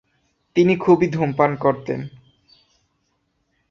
তিনি খুবই ধূমপান করতেন।